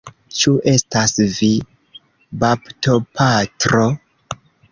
Ĉu estas vi, baptopatro?